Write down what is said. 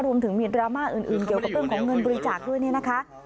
รวมถึงมีดราม่าอื่นเกี่ยวกับเรื่องของเงินบริจาคด้วยเนี่ยนะคะ